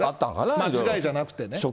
間違いじゃなくてね。